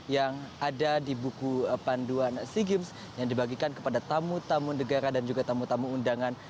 yang ada di buku panduan sea games yang dibagikan kepada tamu tamu negara dan juga tamu tamu undangan